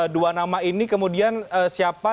dua nama ini kemudian siapa